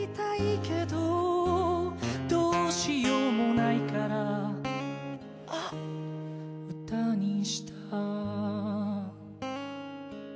「どうしようもないから詩にした」